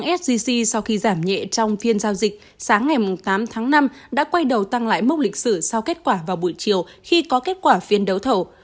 sgc sau khi giảm nhẹ trong phiên giao dịch sáng ngày tám tháng năm đã quay đầu tăng lại mốc lịch sử sau kết quả vào buổi chiều khi có kết quả phiên đấu thầu